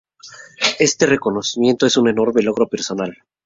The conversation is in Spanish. Este reconocimiento es un enorme logro personal.